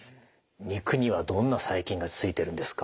肉にはどんな細菌がついてるんですか？